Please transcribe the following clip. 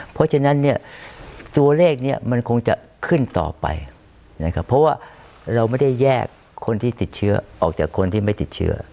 เพราะฉะนั้นเนี่ยตัวเลขนี้มันคงจะขึ้นต่อไปนะครับเพราะว่าเราไม่ได้แยกคนที่ติดเชื้อออกจากคนที่ไม่ติดเชื้อ